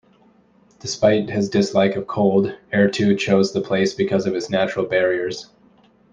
Despite his dislike of cold, Errtu chose the place because of its natural barriers.